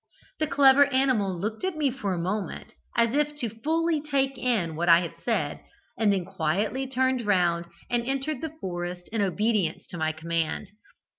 The clever animal looked at me for a moment as if to fully take in what I had said, and then quietly turned round and entered the forest in obedience to my command.